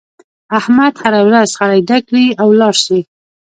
احمد هر ورځ خړی ډک کړي او ولاړ شي.